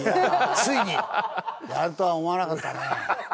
いやあやるとは思わなかったね。